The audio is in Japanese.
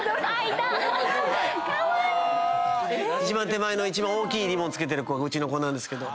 手前の一番大きいリボン着けてる子うちの子なんですけど。